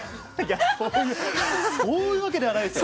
そういうわけではないですよ！